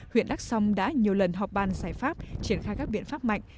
huyện đắk sông đã nhiều lần họp ban giải pháp triển khai các biện pháp mạnh